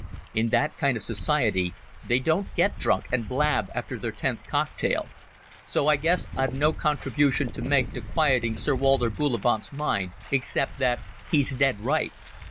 In that kind of society they don't get drunk and blab after their tenth cocktail. So I guess I've no contribution to make to quieting Sir Walter Bullivant's mind, except that he's dead right.